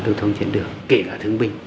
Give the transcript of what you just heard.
đối thông trên đường kể cả thương binh